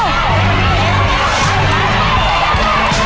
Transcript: อยู่ใน๑๐ตัวนะครับ